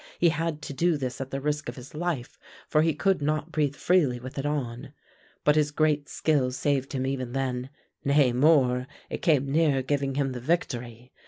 He had to do this at the risk of his life, for he could not breath freely with it on. But his great skill saved him even then; nay, more, it came near giving him the victory.